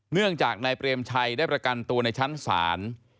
เนื่องจากนายเปรมชัยได้ประกันตัวในชั้นศาล